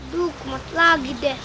duh kumat lagi deh